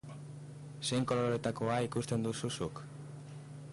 Zein koloretakoa ikusten duzu zuk?